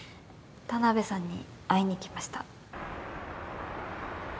田辺さんに会いに来ました。